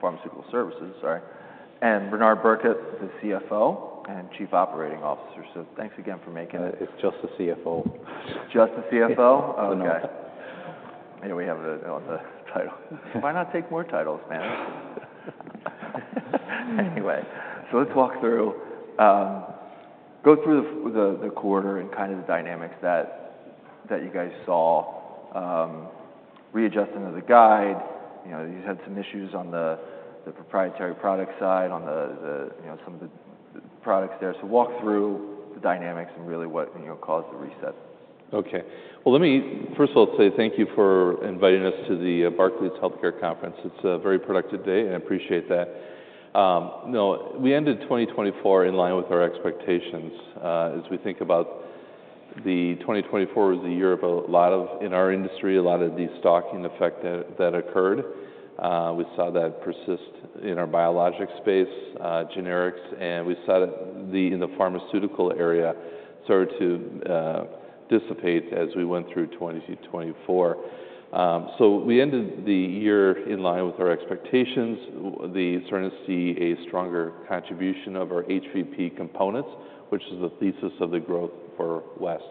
Pharmaceutical Services, sorry. Bernard Birkett, the CFO and Chief Operating Officer. Thanks again for making it. It's just the CFO. Just the CFO. Okay. Anyway, we have a lot of titles. Why not take more titles, man? Anyway, let's walk through, go through the quarter and kind of the dynamics that you guys saw, readjusting of the guide. You had some issues on the proprietary product side, on some of the products there. Walk through the dynamics and really what caused the reset. Okay. First of all, thank you for inviting us to the Barclays Healthcare Conference. It's a very productive day, and I appreciate that. No, we ended 2024 in line with our expectations as we think about it. 2024 was a year of a lot of, in our industry, a lot of the stocking effect that occurred. We saw that persist in our biologic space, generics, and we saw that in the pharmaceutical area started to dissipate as we went through 2024. We ended the year in line with our expectations, with certainly a stronger contribution of our HVP components, which is the thesis of the growth for West.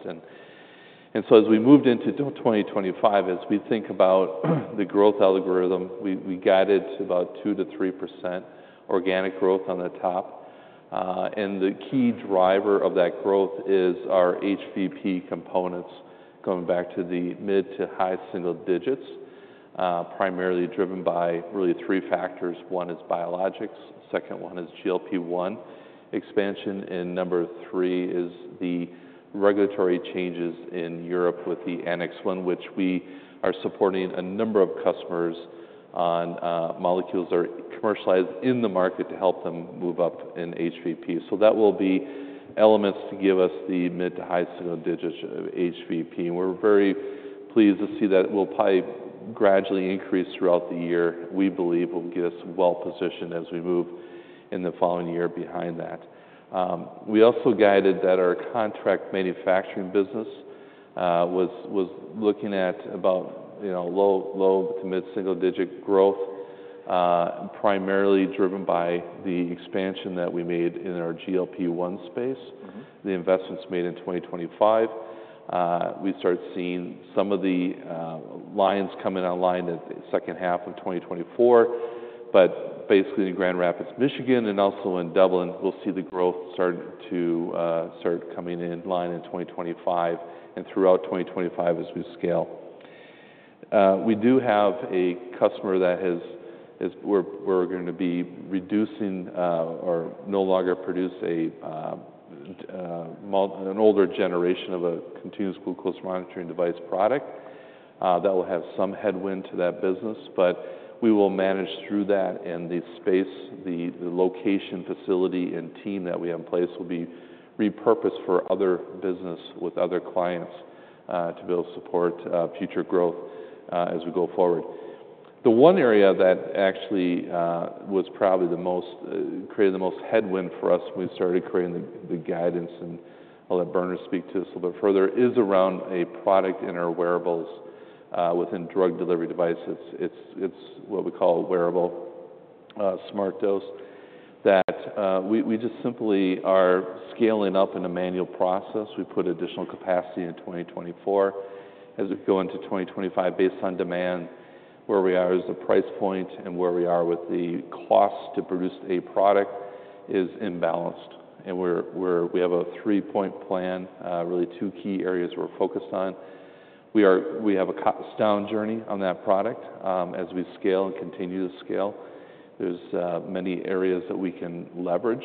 As we moved into 2025, as we think about the growth algorithm, we guided about 2-3% organic growth on the top. The key driver of that growth is our HVP components going back to the mid to high single digits, primarily driven by really three factors. One is biologics. The second one is GLP-1 expansion. Number three is the regulatory changes in Europe with the Annex 1, which we are supporting a number of customers on molecules that are commercialized in the market to help them move up in HVP. That will be elements to give us the mid to high single digits of HVP. We are very pleased to see that we will probably gradually increase throughout the year. We believe that will get us well positioned as we move in the following year behind that. We also guided that our contract manufacturing business was looking at about low to mid single digit growth, primarily driven by the expansion that we made in our GLP-1 space, the investments made in 2025. We started seeing some of the lines coming online in the second half of 2024, but basically in Grand Rapids, Michigan, and also in Dublin, we'll see the growth start to start coming in line in 2025 and throughout 2025 as we scale. We do have a customer that has where we're going to be reducing or no longer produce an older generation of a continuous glucose monitoring device product that will have some headwind to that business. We will manage through that in the space, the location, facility, and team that we have in place will be repurposed for other business with other clients to build support, future growth as we go forward. The one area that actually was probably the most, created the most headwind for us when we started creating the guidance, and I'll let Bernard speak to this a little bit further, is around a product in our wearables within drug delivery devices. It's what we call a wearable SmartDose that we just simply are scaling up in a manual process. We put additional capacity in 2024. As we go into 2025, based on demand, where we are as a price point and where we are with the cost to produce a product is imbalanced. We have a three-point plan, really two key areas we're focused on. We have a long journey on that product as we scale and continue to scale. There's many areas that we can leverage.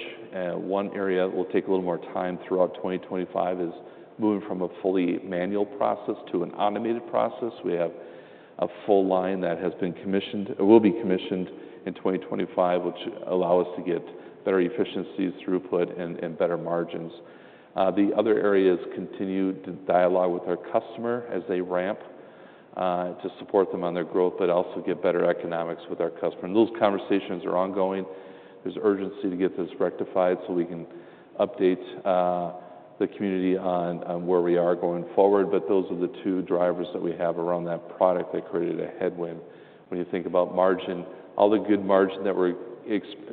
One area that will take a little more time throughout 2025 is moving from a fully manual process to an automated process. We have a full line that has been commissioned or will be commissioned in 2025, which allows us to get better efficiencies, throughput, and better margins. The other area is continued dialogue with our customer as they ramp to support them on their growth, but also get better economics with our customer. Those conversations are ongoing. There is urgency to get this rectified so we can update the community on where we are going forward. Those are the two drivers that we have around that product that created a headwind. When you think about margin, all the good margin that we're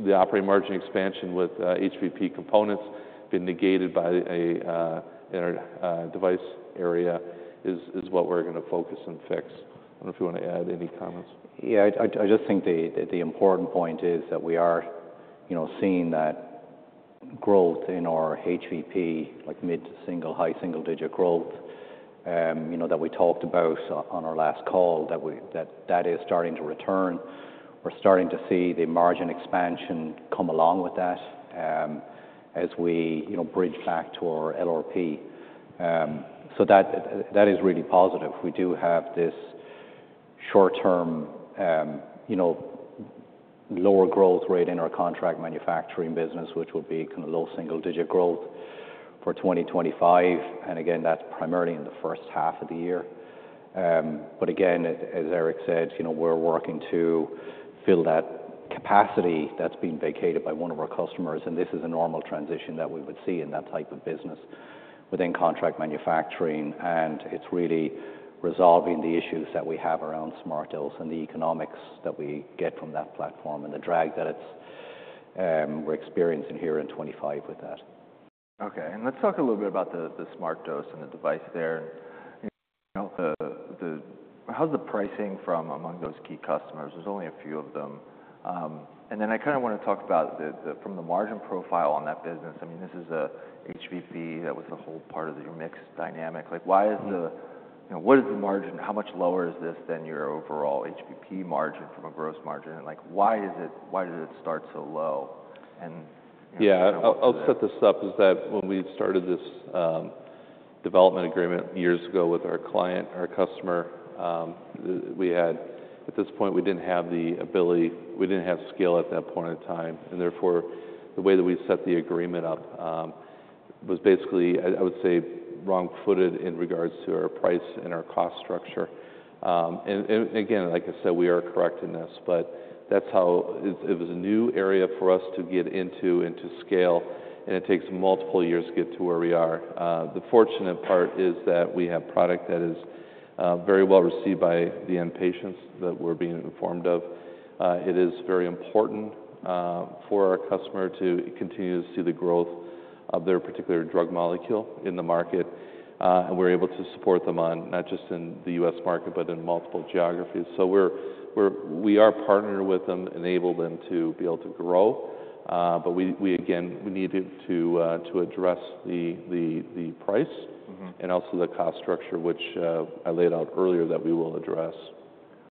the operating margin expansion with HVP components been negated by a device area is what we're going to focus and fix. I don't know if you want to add any comments. Yeah, I just think the important point is that we are seeing that growth in our HVP, like mid to high single digit growth that we talked about on our last call, that that is starting to return. We're starting to see the margin expansion come along with that as we bridge back to our LRP. That is really positive. We do have this short-term lower growth rate in our contract manufacturing business, which would be kind of low single digit growth for 2025. Again, that's primarily in the first half of the year. As Eric said, we're working to fill that capacity that's being vacated by one of our customers. This is a normal transition that we would see in that type of business within contract manufacturing. It is really resolving the issues that we have around SmartDose and the economics that we get from that platform and the drag that we are experiencing here in 2025 with that. Okay. Let's talk a little bit about the SmartDose and the device there. How's the pricing from among those key customers? There's only a few of them. I kind of want to talk about from the margin profile on that business. I mean, this is a HVP that was the whole part of your mix dynamic. Why is the, what is the margin? How much lower is this than your overall HVP margin from a gross margin? Why did it start so low? Yeah, I'll set this up is that when we started this development agreement years ago with our client, our customer, we had at this point, we didn't have the ability, we didn't have scale at that point in time. Therefore, the way that we set the agreement up was basically, I would say, wrong-footed in regards to our price and our cost structure. Again, like I said, we are correct in this, but that's how it was a new area for us to get into and to scale. It takes multiple years to get to where we are. The fortunate part is that we have product that is very well received by the end patients that we're being informed of. It is very important for our customer to continue to see the growth of their particular drug molecule in the market. We are able to support them not just in the U.S. market, but in multiple geographies. We are partnered with them and enable them to be able to grow. We need to address the price and also the cost structure, which I laid out earlier that we will address.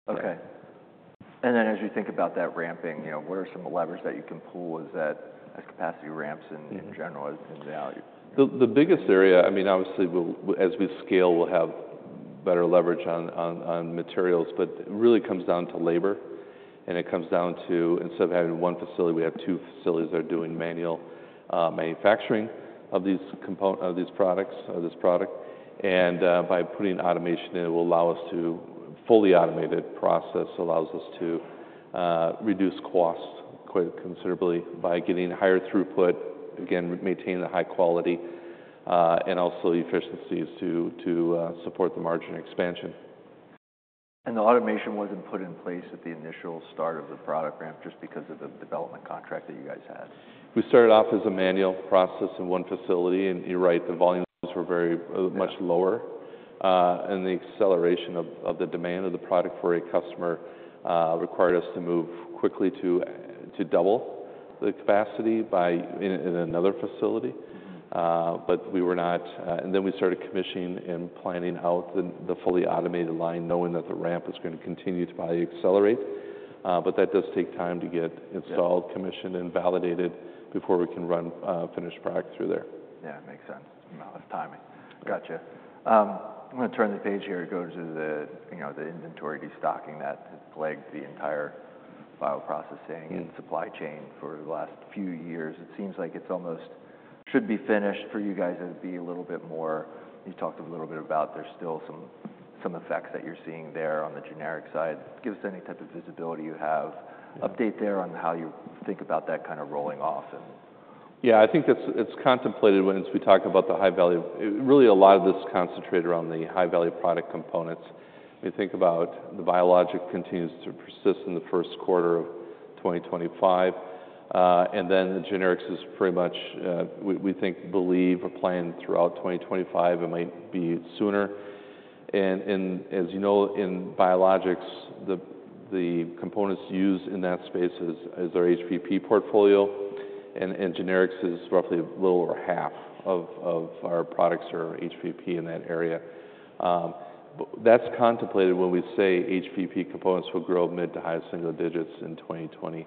Okay. As you think about that ramping, what are some levers that you can pull as that as capacity ramps in general in value? The biggest area, I mean, obviously, as we scale, we'll have better leverage on materials, but it really comes down to labor. It comes down to instead of having one facility, we have two facilities that are doing manual manufacturing of these products. By putting automation in, it will allow us to fully automate that process, allows us to reduce costs quite considerably by getting higher throughput, again, maintaining the high quality and also efficiencies to support the margin expansion. The automation was not put in place at the initial start of the product ramp just because of the development contract that you guys had. We started off as a manual process in one facility. You're right, the volumes were very much lower. The acceleration of the demand of the product for a customer required us to move quickly to double the capacity in another facility. We were not. We started commissioning and planning out the fully automated line, knowing that the ramp is going to continue to probably accelerate. That does take time to get installed, commissioned, and validated before we can run finished product through there. Yeah, it makes sense. Amount of timing. Gotcha. I'm going to turn the page here and go to the inventory destocking that plagued the entire bioprocessing and supply chain for the last few years. It seems like it almost should be finished for you guys to be a little bit more. You talked a little bit about there's still some effects that you're seeing there on the generic side. Give us any type of visibility you have. Update there on how you think about that kind of rolling off and. Yeah, I think it's contemplated when we talk about the high value. Really, a lot of this is concentrated around the high value product components. We think about the biologic continues to persist in the first quarter of 2025. The generics is pretty much we think, believe, are planned throughout 2025. It might be sooner. As you know, in biologics, the components used in that space is our HVP portfolio. Generics is roughly a little over half of our products are HVP in that area. That's contemplated when we say HVP components will grow mid to high single digits in 2025,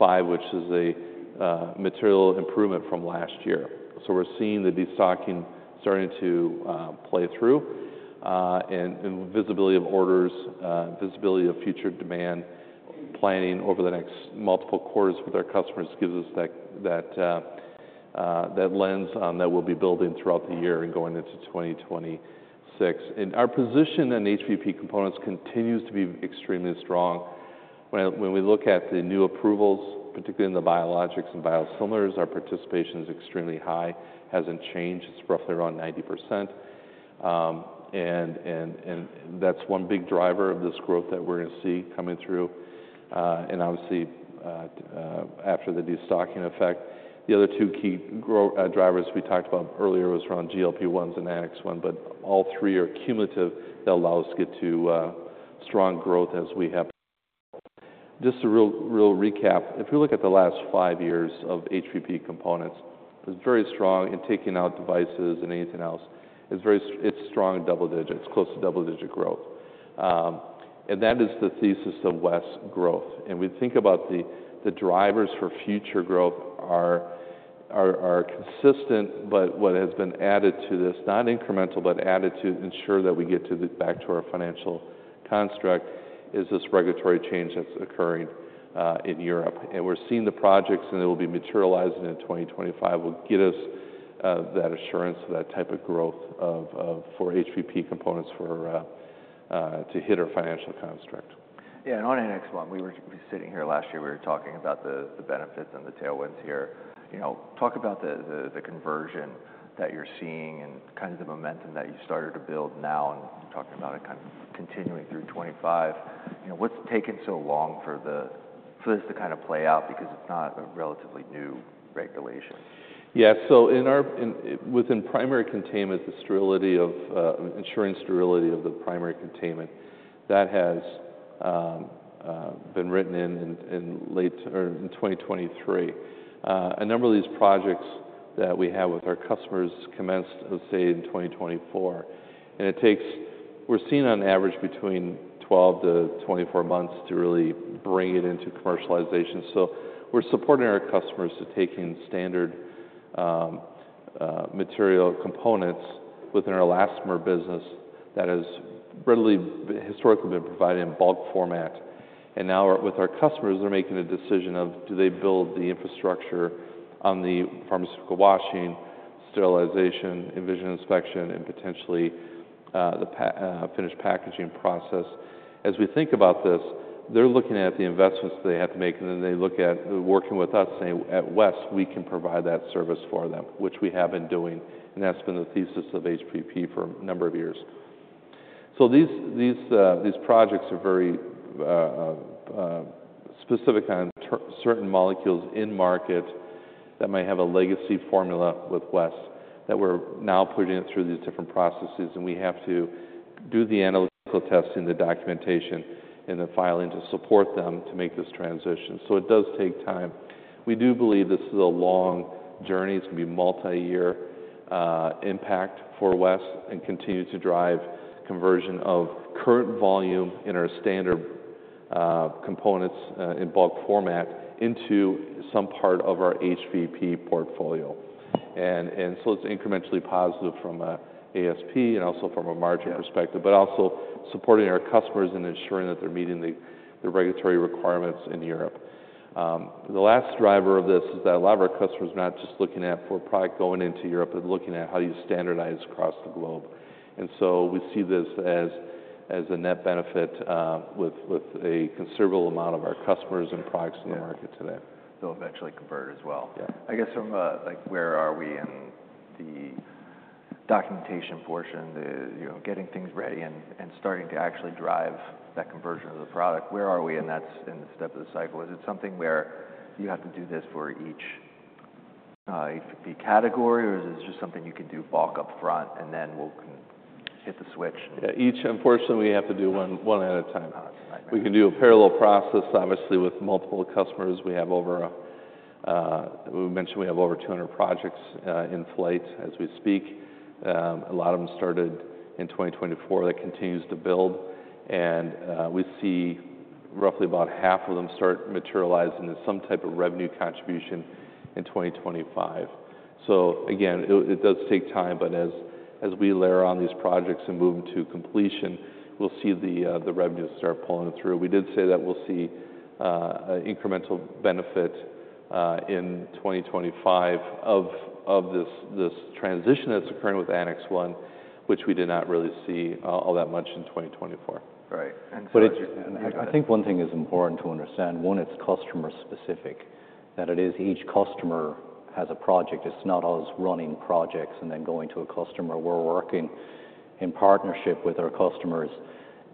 which is a material improvement from last year. We're seeing the destocking starting to play through and visibility of orders, visibility of future demand planning over the next multiple quarters with our customers gives us that lens that we'll be building throughout the year and going into 2026. Our position in HVP components continues to be extremely strong. When we look at the new approvals, particularly in the biologics and biosimilars, our participation is extremely high. Hasn't changed. It's roughly around 90%. That's one big driver of this growth that we're going to see coming through. Obviously, after the destocking effect, the other two key drivers we talked about earlier were around GLP-1s and Annex 1, but all three are cumulative that allow us to get to strong growth as we have. Just a real recap. If you look at the last five years of HVP components, it's very strong in taking out devices and anything else. It's very strong double digits, close to double digit growth. That is the thesis of West's growth. We think about the drivers for future growth are consistent, but what has been added to this, not incremental, but added to ensure that we get back to our financial construct is this regulatory change that's occurring in Europe. We're seeing the projects, and it will be materializing in 2025. It will get us that assurance of that type of growth for HVP components to hit our financial construct. Yeah, and on Annex 1, we were sitting here last year, we were talking about the benefits and the tailwinds here. Talk about the conversion that you're seeing and kind of the momentum that you started to build now and talking about it kind of continuing through 2025. What's taken so long for this to kind of play out because it's not a relatively new regulation? Yeah, so within primary containment, the sterility assurance, sterility of the primary containment, that has been written in late or in 2023. A number of these projects that we have with our customers commenced, let's say, in 2024. It takes, we're seeing on average, between 12-24 months to really bring it into commercialization. We're supporting our customers to take in standard material components within our elastomer business that has readily, historically, been provided in bulk format. Now, with our customers, they're making a decision of do they build the infrastructure on the pharmaceutical washing, sterilization, Envision inspection, and potentially the finished packaging process. As we think about this, they're looking at the investments they have to make, and then they look at working with us saying, "At West, we can provide that service for them," which we have been doing. That has been the thesis of HVP for a number of years. These projects are very specific on certain molecules in market that might have a legacy formula with West that we are now putting through these different processes. We have to do the analytical testing, the documentation, and the filing to support them to make this transition. It does take time. We do believe this is a long journey. It is going to be a multi-year impact for West and continue to drive conversion of current volume in our standard components in bulk format into some part of our HVP portfolio. It is incrementally positive from an ASP and also from a margin perspective, but also supporting our customers and ensuring that they are meeting the regulatory requirements in Europe. The last driver of this is that a lot of our customers are not just looking at for product going into Europe, but looking at how do you standardize across the globe. We see this as a net benefit with a considerable amount of our customers and products in the market today. They'll eventually convert as well. Yeah. I guess from where are we in the documentation portion, getting things ready and starting to actually drive that conversion of the product, where are we in that step of the cycle? Is it something where you have to do this for each HVP category, or is it just something you can do bulk upfront and then we'll hit the switch? Yeah, each, unfortunately, we have to do one at a time. We can do a parallel process, obviously, with multiple customers. We have over, we mentioned we have over 200 projects in flight as we speak. A lot of them started in 2024. That continues to build. We see roughly about half of them start materializing in some type of revenue contribution in 2025. It does take time, but as we layer on these projects and move them to completion, we will see the revenues start pulling through. We did say that we will see an incremental benefit in 2025 of this transition that is occurring with Annex 1, which we did not really see all that much in 2024. Right. I think one thing is important to understand, one, it's customer specific, that it is each customer has a project. It's not us running projects and then going to a customer. We're working in partnership with our customers,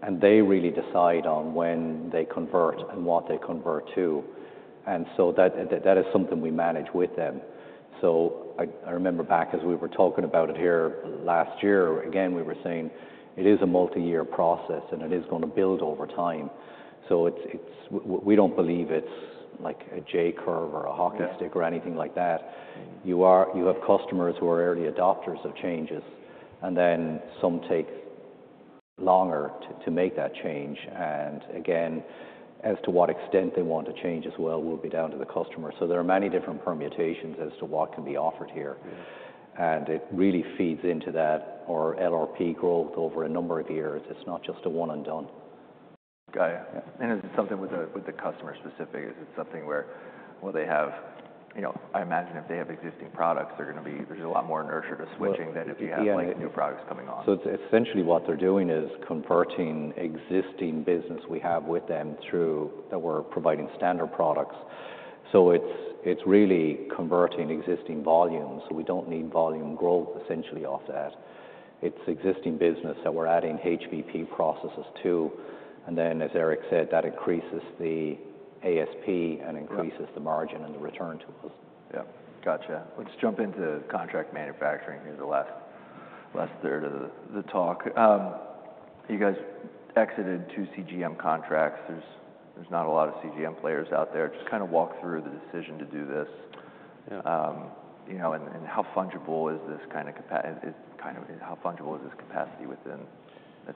and they really decide on when they convert and what they convert to. That is something we manage with them. I remember back as we were talking about it here last year, again, we were saying it is a multi-year process, and it is going to build over time. We don't believe it's like a J-curve or a hockey stick or anything like that. You have customers who are early adopters of changes, and then some take longer to make that change. Again, as to what extent they want to change as well, will be down to the customer. There are many different permutations as to what can be offered here. It really feeds into that, our LRP growth over a number of years. It's not just a one and done. Got it. Is it something with the customer specific? Is it something where, well, they have, I imagine if they have existing products, there's a lot more nurture to switching than if you have new products coming on. Essentially what they're doing is converting existing business we have with them through that we're providing standard products. It's really converting existing volume. We don't need volume growth essentially off that. It's existing business that we're adding HVP processes to. As Eric said, that increases the ASP and increases the margin and the return to us. Yeah. Gotcha. Let's jump into contract manufacturing here in the last third of the talk. You guys exited two CGM contracts. There's not a lot of CGM players out there. Just kind of walk through the decision to do this. How fungible is this, kind of how fungible is this capacity within the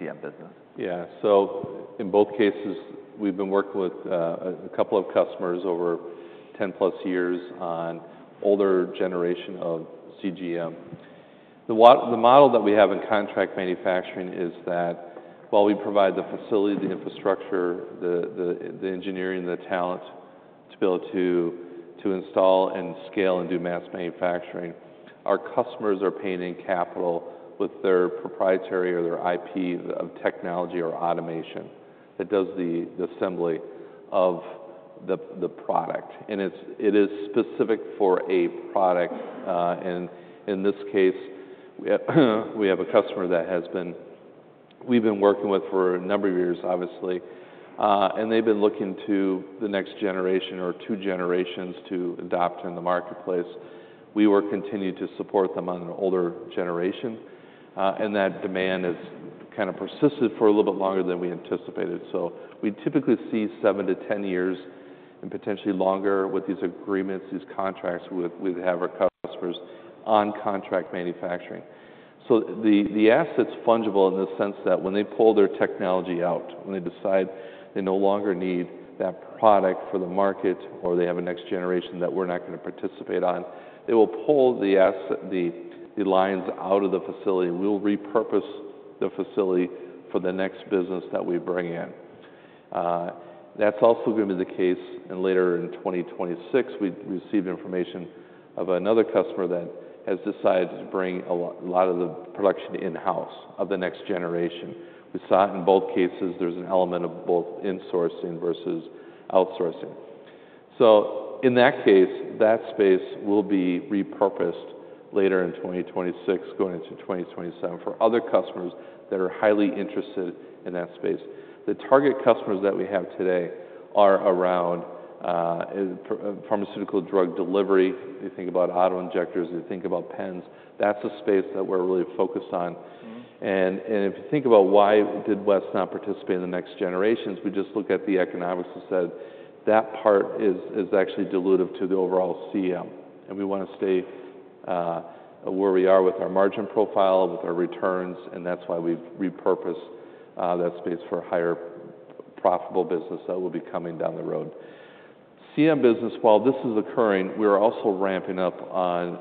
CM business? Yeah. In both cases, we've been working with a couple of customers over 10 plus years on older generation of CGM. The model that we have in contract manufacturing is that while we provide the facility, the infrastructure, the engineering, the talent to be able to install and scale and do mass manufacturing, our customers are paying in capital with their proprietary or their IP of technology or automation that does the assembly of the product. It is specific for a product. In this case, we have a customer that we've been working with for a number of years, obviously. They've been looking to the next generation or two generations to adopt in the marketplace. We will continue to support them on an older generation. That demand has kind of persisted for a little bit longer than we anticipated. We typically see 7-10 years and potentially longer with these agreements, these contracts with what we have our customers on contract manufacturing. The asset's fungible in the sense that when they pull their technology out, when they decide they no longer need that product for the market or they have a next generation that we're not going to participate on, they will pull the lines out of the facility. We will repurpose the facility for the next business that we bring in. That's also going to be the case later in 2026. We received information of another customer that has decided to bring a lot of the production in-house of the next generation. We saw it in both cases. There's an element of both insourcing versus outsourcing. In that case, that space will be repurposed later in 2026, going into 2027 for other customers that are highly interested in that space. The target customers that we have today are around pharmaceutical drug delivery. You think about autoinjectors. You think about pens. That is a space that we are really focused on. If you think about why did West not participate in the next generations, we just look at the economics and said that part is actually dilutive to the overall CM. We want to stay where we are with our margin profile, with our returns. That is why we have repurposed that space for higher profitable business that will be coming down the road. CM business, while this is occurring, we are also ramping up on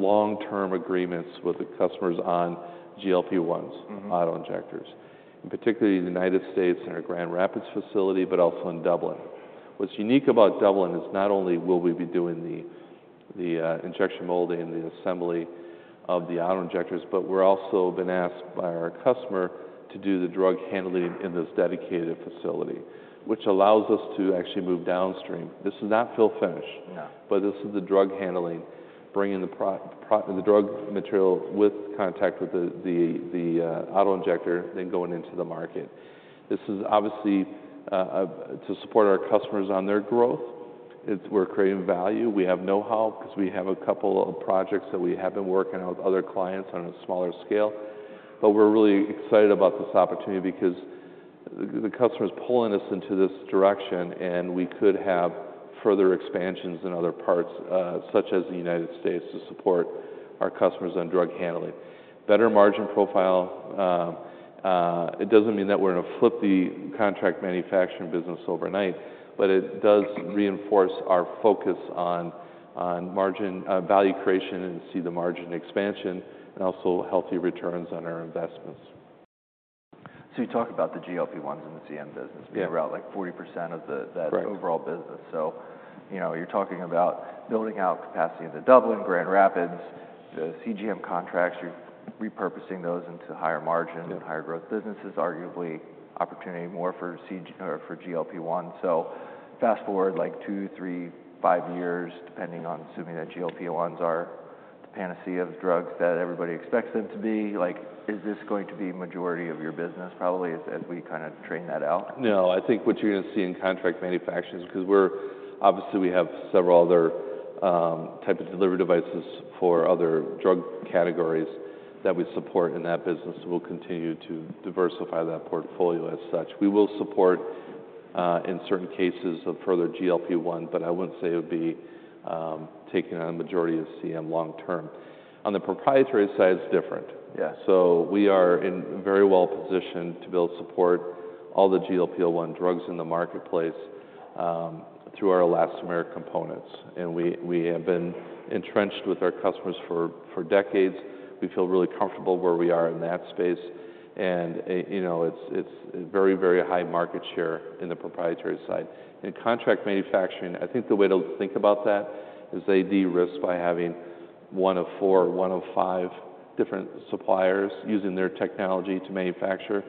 long-term agreements with the customers on GLP-1s, autoinjectors, in particularly the United States and our Grand Rapids facility, but also in Dublin. What's unique about Dublin is not only will we be doing the injection molding and the assembly of the autoinjectors, but we've also been asked by our customer to do the drug handling in this dedicated facility, which allows us to actually move downstream. This is not fill-finish, but this is the drug handling, bringing the drug material with contact with the autoinjector, then going into the market. This is obviously to support our customers on their growth. We're creating value. We have know-how because we have a couple of projects that we have been working on with other clients on a smaller scale. We are really excited about this opportunity because the customer is pulling us into this direction, and we could have further expansions in other parts, such as the United States, to support our customers on drug handling. Better margin profile. It does not mean that we are going to flip the contract manufacturing business overnight, but it does reinforce our focus on value creation and see the margin expansion and also healthy returns on our investments. You talk about the GLP-1s in the CM business being around like 40% of that overall business. You are talking about building out capacity in Dublin, Grand Rapids, the CGM contracts. You are repurposing those into higher margin and higher growth businesses, arguably opportunity more for GLP-1. Fast forward like two, three, five years, depending on assuming that GLP-1s are the panacea of drugs that everybody expects them to be. Is this going to be a majority of your business probably as we kind of train that out? No. I think what you're going to see in contract manufacturing is because we obviously have several other types of delivery devices for other drug categories that we support in that business. We'll continue to diversify that portfolio as such. We will support in certain cases of further GLP-1, but I wouldn't say it would be taking on a majority of CM long term. On the proprietary side, it's different. We are very well positioned to build support all the GLP-1 drugs in the marketplace through our elastomeric components. And we have been entrenched with our customers for decades. We feel really comfortable where we are in that space. It's very, very high market share in the proprietary side. In contract manufacturing, I think the way to think about that is they de-risk by having one of four, one of five different suppliers using their technology to manufacture.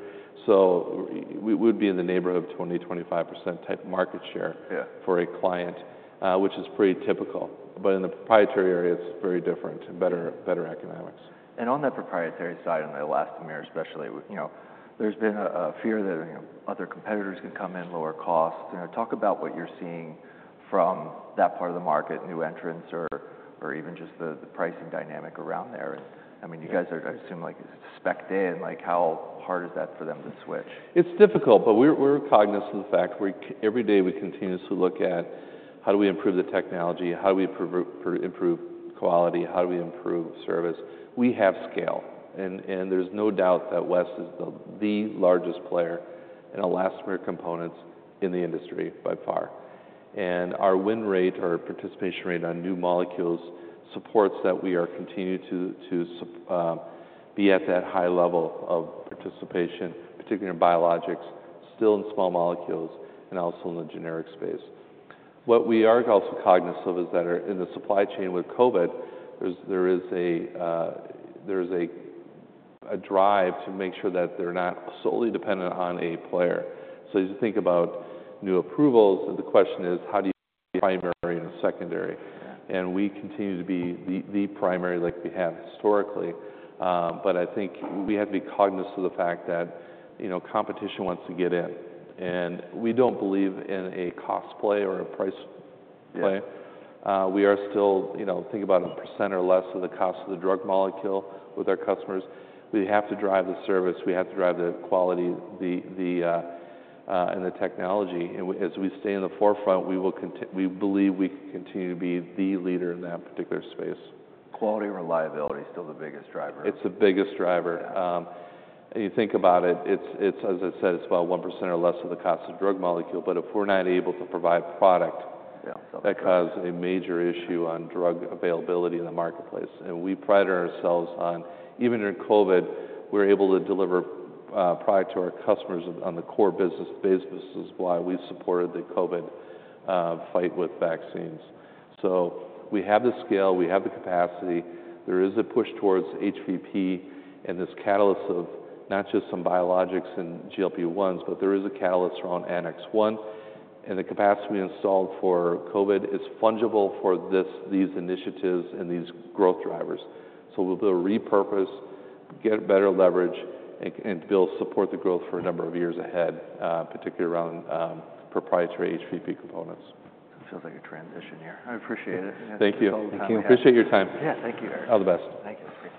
So we would be in the neighborhood of 20-25% type market share for a client, which is pretty typical. But in the proprietary area, it's very different and better economics. On that proprietary side on the elastomer, especially, there's been a fear that other competitors can come in, lower costs. Talk about what you're seeing from that part of the market, new entrants or even just the pricing dynamic around there. I mean, you guys are I assume specced in. How hard is that for them to switch? It's difficult, but we're cognizant of the fact every day we continuously look at how do we improve the technology, how do we improve quality, how do we improve service. We have scale. There is no doubt that West is the largest player in elastomer components in the industry by far. Our win rate or participation rate on new molecules supports that we are continuing to be at that high level of participation, particularly in biologics, still in small molecules and also in the generic space. What we are also cognizant of is that in the supply chain with COVID, there is a drive to make sure that they're not solely dependent on a player. As you think about new approvals, the question is how do you. Primary and secondary. We continue to be the primary like we have historically. I think we have to be cognizant of the fact that competition wants to get in. We do not believe in a cost play or a price play. We are still thinking about a percent or less of the cost of the drug molecule with our customers. We have to drive the service. We have to drive the quality and the technology. As we stay in the forefront, we believe we continue to be the leader in that particular space. Quality and reliability is still the biggest driver. It's the biggest driver. You think about it, as I said, it's about 1% or less of the cost of drug molecule. If we're not able to provide product, that causes a major issue on drug availability in the marketplace. We pride ourselves on even during COVID, we're able to deliver product to our customers on the core business while we supported the COVID fight with vaccines. We have the scale. We have the capacity. There is a push towards HVP and this catalyst of not just some biologics and GLP-1s, but there is a catalyst around Annex 1. The capacity we installed for COVID is fungible for these initiatives and these growth drivers. We will be able to repurpose, get better leverage, and build support the growth for a number of years ahead, particularly around proprietary HVP components. It feels like a transition here. I appreciate it. Thank you. Appreciate your time. Yeah. Thank you, Eric. All the best. Thank you.